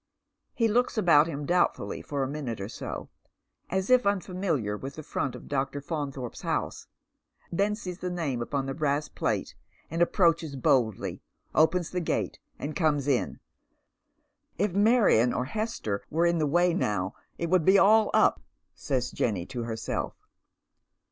He looks about him doubtfully for a minute or so, as if un famihar with the front of Dr. Faunthorpe 's house, then sees the name upon the brass plate, and approaches boldly, opens the gato^ and comes in. " If Marion or Hester were in the way now it would be all u P," Jenny says to herself.